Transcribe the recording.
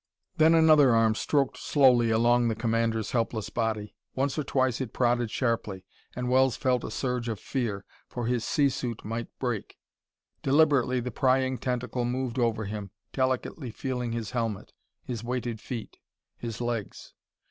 Then another arm stroked slowly along the commander's helpless body. Once or twice it prodded sharply, and Wells felt a surge of fear, for his sea suit might break. Deliberately the prying tentacle moved over him, delicately feeling his helmet, his weighted feet, his legs.